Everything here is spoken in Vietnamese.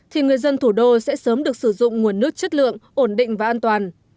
thì người dân thủ đô sẽ sớm được sử dụng nguồn nước chất lượng ổn định và an toàn